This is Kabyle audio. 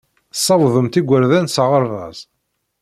Tessawḍemt igerdan s aɣerbaz.